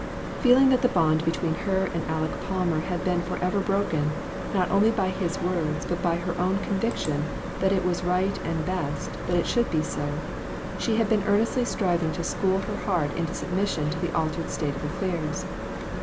Feeling that the bond between her and Aleck Palmer had been forever broken, not only by his words but by her own conviction that it was right and best that it should be so, she had been earnestly striving to school her heart into submission to the altered state of affairs.